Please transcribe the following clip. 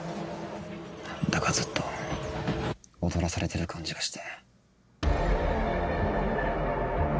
何だかずっと踊らされてる感じがして。